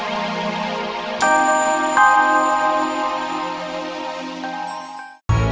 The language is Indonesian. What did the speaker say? baru jalan hujan